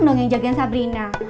dong yang jagain sabrina